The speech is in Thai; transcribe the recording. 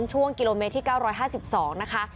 ช่วงกิโลเมตรที่๙๕๒นะคะ